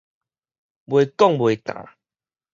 袂講袂呾